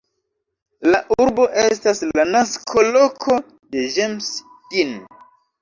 La urbo estas la nasko-loko de James Dean.